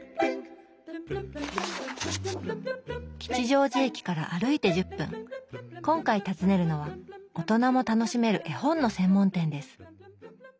吉祥寺駅から歩いて１０分今回訪ねるのはオトナも楽しめる絵本の専門店です